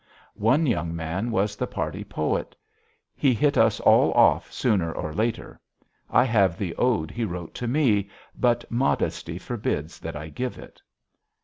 One young man was the party poet. He hit us all off sooner or later. I have the ode he wrote to me, but modesty forbids that I give it.